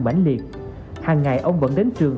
bảnh liệt hàng ngày ông vẫn đến trường